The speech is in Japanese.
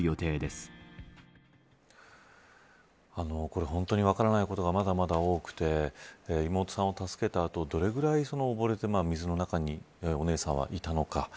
これ、本当に分からないことがまだまだ多くて妹さんを助けた後どれぐらい溺れて水の中にお姉さんはいたのか。